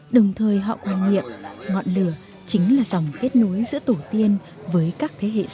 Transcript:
đồng thời họ quan niệm ngọn lửa chính là dòng kết nối giữa tổ tiên với các thế hệ sau